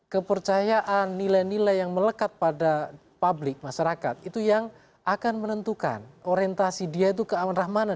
kepercayaan nilai nilai yang melekat pada publik masyarakat itu yang akan menentukan orientasi dia itu keamanan rahmana